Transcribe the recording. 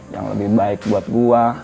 yang lebih baik buat gue